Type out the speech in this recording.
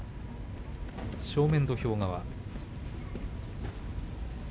正面土俵側。